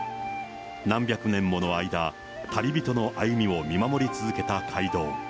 何百年もの間、旅人の歩みを見守り続けた街道。